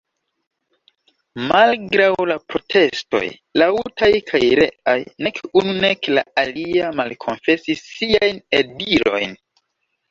Malgraŭ la protestoj laŭtaj kaj reaj, nek unu nek la alia malkonfesis siajn eldirojn.